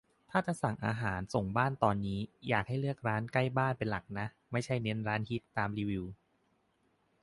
ถ้าจะสั่งอาหารส่งบ้านตอนนี้ อยากให้เลือกร้านใกล้บ้านเป็นหลักนะ ไม่ใช่เน้นแต่ร้านฮิตตามรีวิว